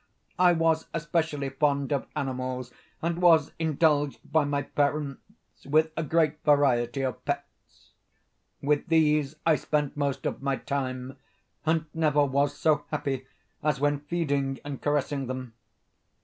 I was especially fond of animals, and was indulged by my parents with a great variety of pets. With these I spent most of my time, and never was so happy as when feeding and caressing them.